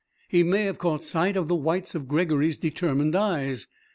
He may have caught sight of the whites of Gregory's determined eyes.